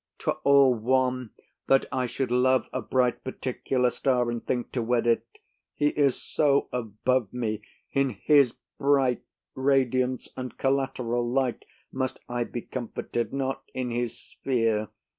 'Twere all one That I should love a bright particular star, And think to wed it, he is so above me. In his bright radiance and collateral light Must I be comforted, not in his sphere.